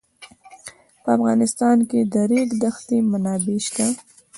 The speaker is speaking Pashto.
په افغانستان کې د د ریګ دښتې منابع شته.